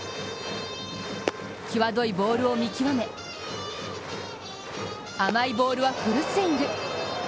際どいボールを見極め、甘いボールはフルスイング。